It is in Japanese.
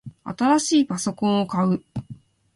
新しいパソコンを買う